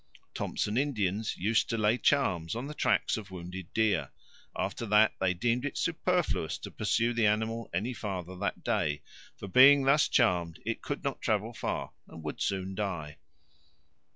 Thompson Indians used to lay charms on the tracks of wounded deer; after that they deemed it superfluous to pursue the animal any further that day, for being thus charmed it could not travel far and would soon die.